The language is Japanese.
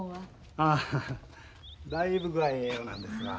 ああだいぶ具合ええようなんですわ。